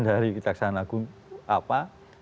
dari kejaksaan agung apa